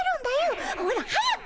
ほら早く。